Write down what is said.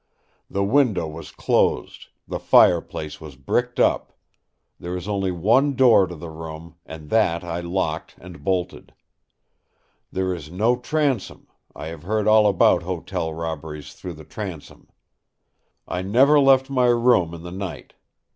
The window was closed; the fireplace was bricked up. There is only one door to the room, and that I locked and bolted. There is no transom; I have heard all about hotel robberies through the transom. I never left my room in the night.